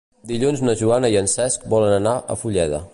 Dilluns na Joana i en Cesc volen anar a Fulleda.